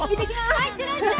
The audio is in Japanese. はいいってらっしゃい。